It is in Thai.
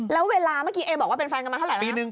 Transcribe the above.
แล้วเวลาเมื่อกี้เอบอกว่าเป็นแฟนกันมาเท่าไหร่ปีนึง